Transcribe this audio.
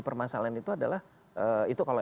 permasalahan itu adalah itu kalau